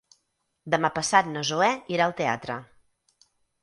Demà passat na Zoè irà al teatre.